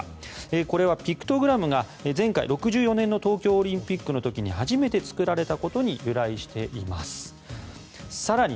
これはピクトグラムが前回１９６４年の東京オリンピックの時に初めて作られたことに由来しています。